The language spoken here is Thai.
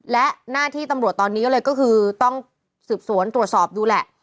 และหน้าที่ตำรวจตอนนี้ก็เลยก็คือต้องสืบสวนตรวจสอบดูแหละ